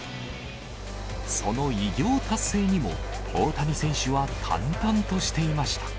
その偉業達成にも、大谷選手は淡々としていました。